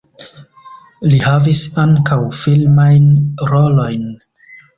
Li havis ankaŭ filmajn rolojn.